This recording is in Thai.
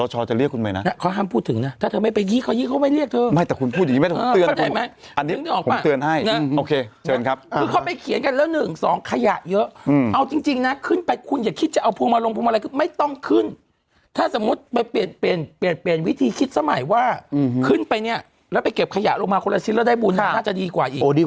เห็นก่อนแล้วเห็นตั้งแต่ขึ้นไปแล้ว